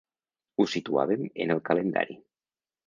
Ho situàvem en el calendari.